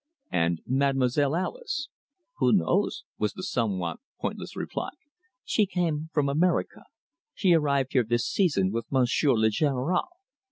"And Mademoiselle Alice?" "Who knows?" was the somewhat pointless reply. "She came from America. She arrived here this season with Monsieur le General."